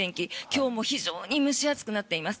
今日も非常に蒸し暑くなっています。